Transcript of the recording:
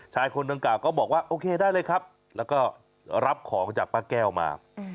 คนดังกล่าก็บอกว่าโอเคได้เลยครับแล้วก็รับของจากป้าแก้วมา